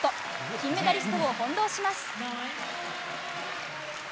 金メダリストを翻弄します。